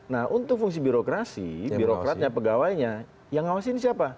nah untuk fungsi birokrasi birokratnya pegawainya yang ngawasin siapa